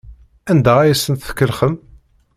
Anda ay asent-tkellxem?